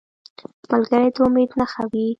ملګری د امید نښه وي